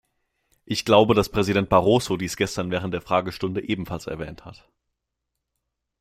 Ich glaube, dass Präsident Barroso dies gestern während der Fragestunde ebenfalls erwähnt hat.